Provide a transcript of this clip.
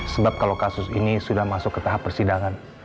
sebab kalau kasus ini sudah masuk ke tahap persidangan